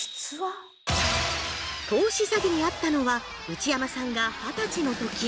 投資詐欺に遭ったのは内山さんが二十歳の時。